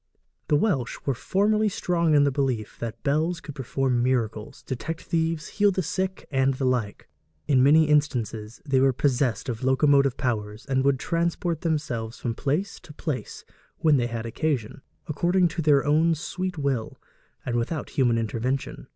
The Welsh were formerly strong in the belief that bells could perform miracles, detect thieves, heal the sick, and the like. In many instances they were possessed of locomotive powers, and would transport themselves from place to place when they had occasion, according to their own sweet will, and without human intervention.